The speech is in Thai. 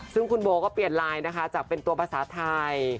ซึ่งคุณโบก็เปลี่ยนไลน์นะคะจากเป็นตัวภาษาไทย